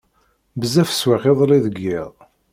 Bezzaf swiɣ iḍelli deg yiḍ.